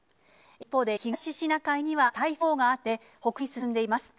一方で、東シナ海には台風９号があって、北東に進んでいます。